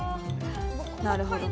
なるほど。